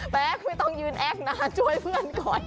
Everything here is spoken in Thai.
ไม่ต้องยืนแอคนะช่วยเพื่อนก่อน